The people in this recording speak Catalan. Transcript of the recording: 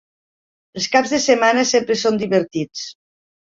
Els caps de setmana sempre són divertits.